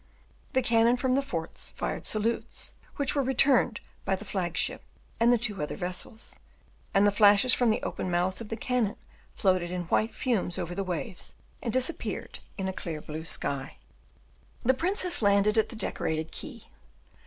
The cannon from the forts fired salutes, which were returned by the flagship and the two other vessels, and the flashes from the open mouths of the cannon floated in white fumes over the waves, and disappeared in the clear blue sky. The princess landed at the decorated quay.